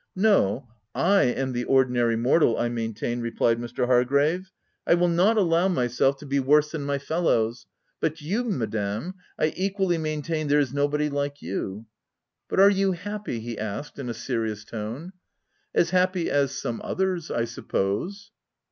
" No, / am the ordinary mortal, I maintain," replied Mr. Hargrave. " I will not allow my 354 THE TENANT self to be worse than my fellows ; but you Madame — I equally maintain there is no body like you. But are you happy ?" he asked in a serious tone. " As happy as some others, I suppose."